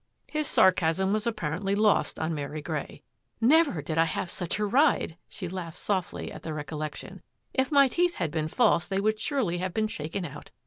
His sarcasm was apparently lost on Mary Grey. "Never did I have such a ride!" she laughed softly at the recollection. " If my teeth had been false they would surely have been shaken out.